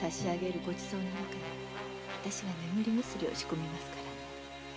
ごちそうの中に私が眠り薬を仕込みますからね。